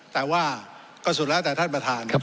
แต่ว่าก็สุดแล้วแต่ท่านประธานครับ